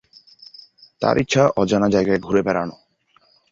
তার ইচ্ছা অজানা যায়গায় ঘুরে বেড়ানো।